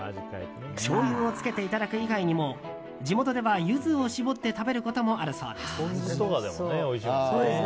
しょうゆをつけていただく以外にも地元ではユズを搾って食べることもあるそうです。